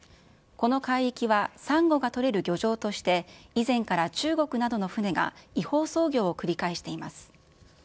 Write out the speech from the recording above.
この海域は、さんごが取れる漁場として、以前から中国などの船が、違法操業を繰り返しています。